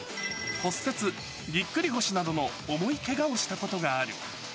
骨折、ぎっくり腰などの重いけがをしたことがある。